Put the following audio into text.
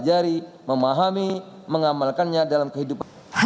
terima kasih terima kasih